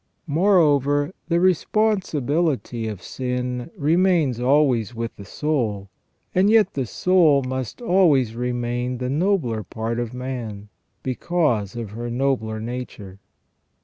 Moreover, the responsibility of sin remains always with the soul, and yet the soul must always remain the nobler part of man, because of her nobler nature.